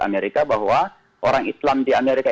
amerika bahwa orang islam di amerika